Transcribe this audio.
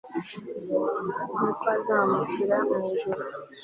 nukw'azamukira mw'ijuru